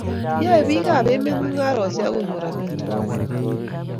Yoei bik ab emet mungareseik akonyor amitwokik